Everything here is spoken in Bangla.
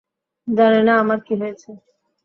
জানি না আমার কী হয়েছে!